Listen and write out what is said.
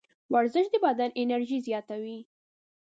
ورزش د بدن انرژي زیاتوي.